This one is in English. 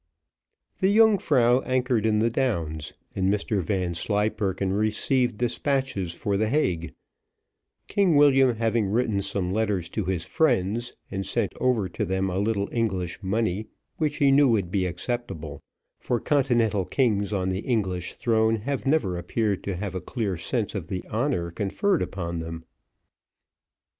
The Yungfrau anchored in the Downs, and Mr Vanslyperken received despatches for the Hague; King William having written some letters to his friends, and sent over to them a little English money, which he knew would be acceptable; for continental kings on the English throne have never appeared to have a clear sense of the honour conferred upon them.